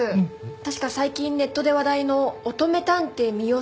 確か最近ネットで話題の「乙女探偵深世小夜香」。